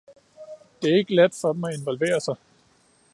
Det er ikke let for dem at involvere sig.